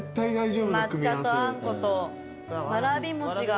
抹茶とあんことわらび餅が。